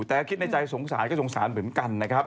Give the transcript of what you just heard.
แต่คิดในใจสงสารก็สงสารเหมือนกันนะครับ